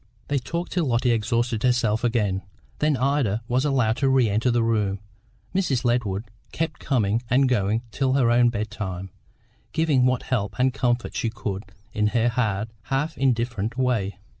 They talked till Lotty exhausted herself again, then Ida was allowed to re enter the room. Mrs. Ledward kept coming and going till her own bed time, giving what help and comfort she could in her hard, half indifferent way.